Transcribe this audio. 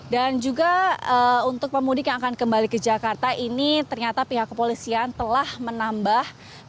dan juga untuk pemudik yang akan kembali ke jakarta ini ternyata pihak kepolisian telah menambahkan